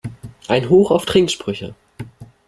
Ein Hoch auf Trinksprüche!